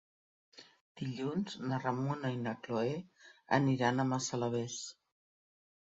Dilluns na Ramona i na Cloè aniran a Massalavés.